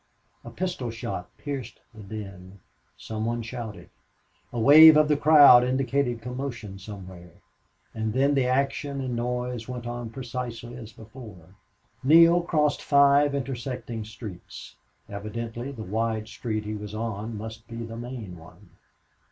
A pistol shot pierced the din. Some one shouted. A wave of the crowd indicated commotion somewhere; and then the action and noise went on precisely as before. Neale crossed five intersecting streets; evidently the wide street he was on must be the main one.